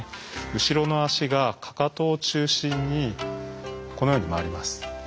後ろの足がかかとを中心にこのように回ります。